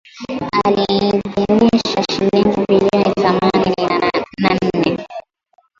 aliidhinisha shilingi bilioni thelathini na nne